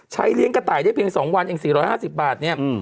เลี้ยงกระต่ายได้เพียง๒วันเอง๔๕๐บาทเนี่ย